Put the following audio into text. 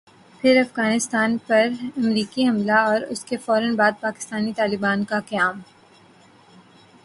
پھر افغانستان پر امریکی حملہ اور اسکے فورا بعد پاکستانی طالبان کا قیام ۔